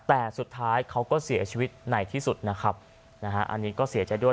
แต่สุดท้ายเขาก็เสียชีวิตในที่สุดนะครับนะฮะอันนี้ก็เสียใจด้วย